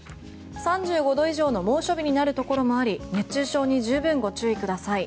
３５度以上の猛暑日になるところもあり熱中症に十分ご注意ください。